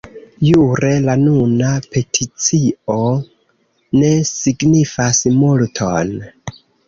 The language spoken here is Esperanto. Jure la nuna peticio ne signifas multon.